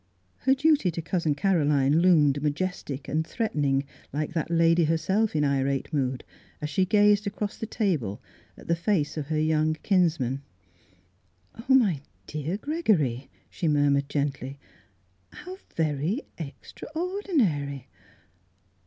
Her duty to Cousin Caroline loomed majestic and threatening like that lady herself in irate mood, as she gazed across the table at the face of her young kinsman. £145] Miss Philura^s Wedding Gown *' Oh, my dear Gregory," she murmured gently. " How very — extraordinary